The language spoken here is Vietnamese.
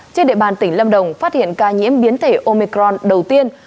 trên địa bàn tỉnh lâm đồng phát hiện ca nhiễm biến thể omicron đầu tiên